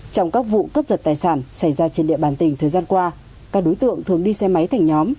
trong các vụ cướp giật tài sản xảy ra trên địa bàn tỉnh thời gian qua các đối tượng thường đi xe máy thành nhóm